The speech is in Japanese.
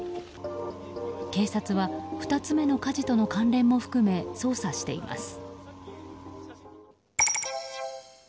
警察は２つ目の火事との関連も含め捜査しています。